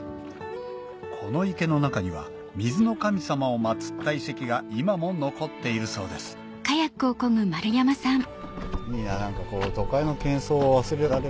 この池の中には水の神様を祭った遺跡が今も残っているそうですいいな何か。